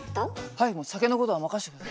はい酒のことは任せて下さい。